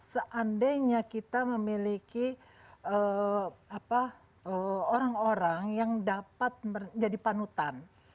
seandainya kita memiliki orang orang yang dapat menjadi panutan